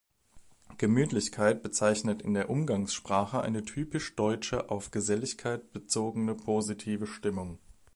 Gemütlichkeit bezeichnet in der Umgangssprache eine typisch deutsche auf Geselligkeit bezogene positive Stimmung.